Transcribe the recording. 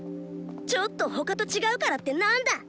ちょっと他と違うからってなんだ！